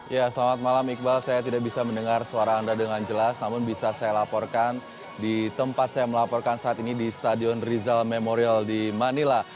ya selamat malam iqbal saya tidak bisa mendengar suara anda dengan jelas namun bisa saya laporkan di tempat saya melaporkan saat ini di stadion rizal memorial di manila